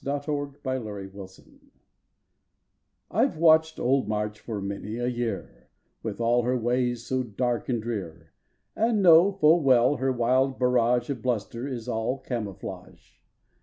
February Twenty ninth MARCH I VE watched old March for many a year, With all her ways so dark and drear, And know full well her wild barrage Of bluster is all camouflage.